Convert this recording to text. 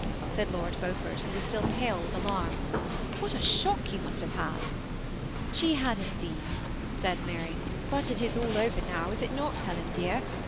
" said Lord Beaufort^ who was sdU pale with alamu ^What a shock jou must have had !"^ She had, indeed," said Mary ;^ but it is all over now; is not it, HJelen, dear?